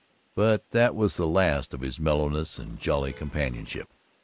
But that was the last of his mellowness and jolly companionship.